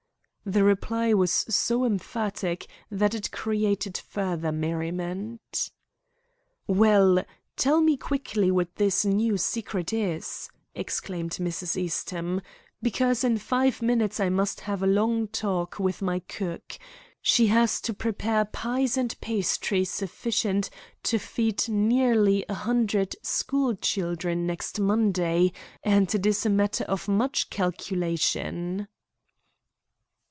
The reply was so emphatic that it created further merriment. "Well, tell me quickly what this new secret is," exclaimed Mrs. Eastham, "because in five minutes I must have a long talk with my cook. She has to prepare pies and pastry sufficient to feed nearly a hundred school children next Monday, and it is a matter of much calculation."